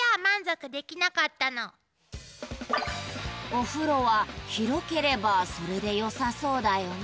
お風呂は広ければそれでよさそうだよね？